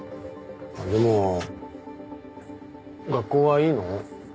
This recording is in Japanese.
でも学校はいいの？